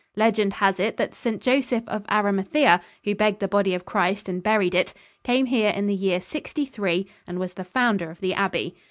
Legend has it that St. Joseph of Arimathea, who begged the body of Christ and buried it, came here in the year 63 and was the founder of the abbey.